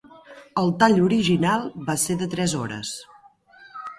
El tall original va ser de tres hores.